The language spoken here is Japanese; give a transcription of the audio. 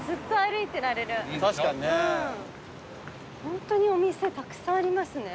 ホントにお店たくさんありますね